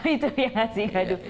itu yang kesigaduh